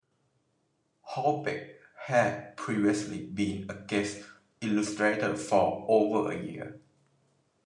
Hallbeck had previously been a guest illustrator for over a year.